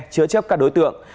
chứa chấp các đối tượng